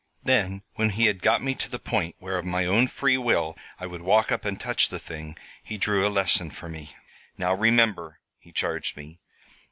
"Then, when he had got me to the point where of my own free will I would walk up and touch the thing, he drew a lesson for me. "'Now remember,' he charged me.